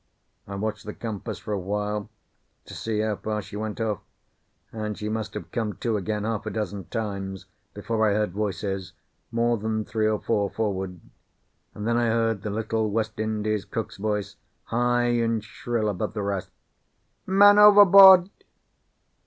I watched the compass for a while, to see how far she went off, and she must have come to again half a dozen times before I heard voices, more than three or four, forward; and then I heard the little West Indies cook's voice, high and shrill above the rest: "Man overboard!"